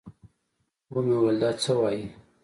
ومې ويل دا څه وايې.